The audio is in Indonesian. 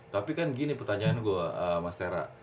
tapi kan gini pertanyaan gue mas tera